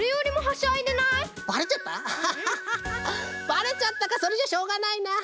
ばれちゃったかそれじゃしょうがないな。